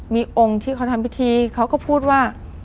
มีองค์ที่เขาทำพิธีเขาก็พูดว่า